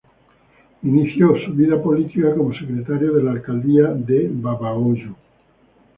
Inició su vida política como secretario de la alcaldía de Babahoyo.